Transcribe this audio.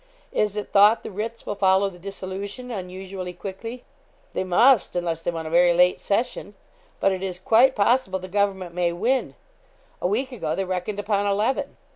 'Is it thought the writs will follow the dissolution unusually quickly?' 'They must, unless they want a very late session. But it is quite possible the government may win a week ago they reckoned upon eleven.'